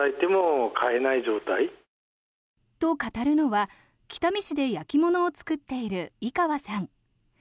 と語るのは、北見市で焼き物を作っている井川さん。